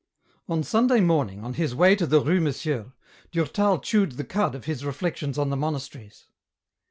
On Sunday morning, on his way to the Rue Monsieur, Durtal chewed the cud of his reflections on the Monasteries.